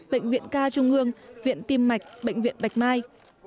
bệnh viện ca trung ương viện tim mạch bệnh viện bạch mai